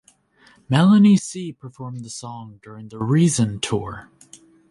Melanie C performed the song during the Reason Tour.